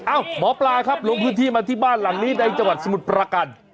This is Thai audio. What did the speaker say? หมอปลาครับลงพื้นที่มาที่บ้านหลังนี้ในจังหวัดสมุทรประการ